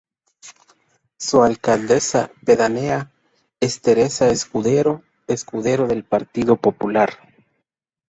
Su alcaldesa pedánea es Teresa Escudero Escudero del Partido Popular.